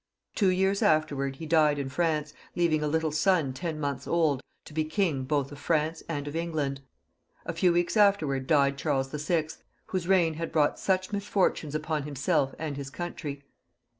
Two years after he died in France, leaving a little son ten months old, to be king both of France and of England. A few weeks afterwards died Charles VI., whose reign had brought such misfortunes upon himself and his country.